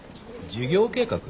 授業計画？